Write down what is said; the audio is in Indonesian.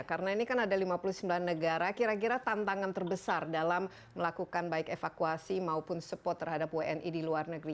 karena ini kan ada lima puluh sembilan negara kira kira tantangan terbesar dalam melakukan baik evakuasi maupun support terhadap wni di luar negeri